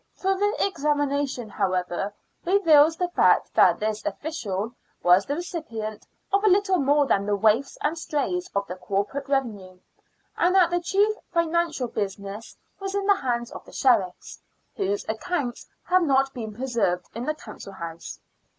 Further examination, however, reveals the fact that this official was the recipient of little more than the waifs and strays of the corporate revenue, and that the chief financial business was in the hands of the Sheriffs, whose accounts have not been preserved in the Council House.